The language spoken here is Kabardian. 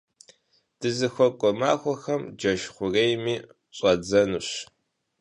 Дызыхуэкӏуэ махуэхэм джэш хъурейми щӏадзэнущ.